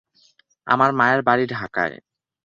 আমার মায়ের বাড়ি ঢাকায়।